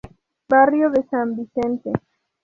Barrio de San Vicente.